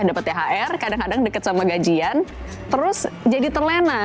dapat thr kadang kadang dekat sama gajian terus jadi terlena